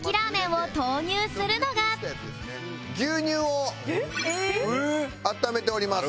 牛乳を温めております。